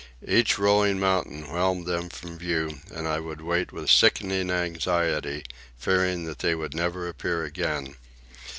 Each rolling mountain whelmed them from view, and I would wait with sickening anxiety, fearing that they would never appear again.